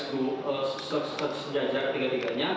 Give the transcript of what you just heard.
itu sejajar tiga tiganya